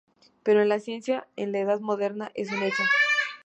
Pero la ciencia en la Edad Moderna es un hecho.